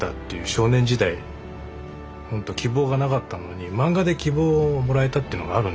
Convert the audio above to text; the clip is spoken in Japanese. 少年時代ほんと希望がなかったのに漫画で希望をもらえたっていうのがあるんですよ。